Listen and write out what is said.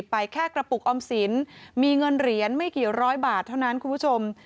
ไปแค่กระปุกออมสินมีเงินเหรียญไม่กี่ร้อยบาทเท่านั้นคุณผู้ชม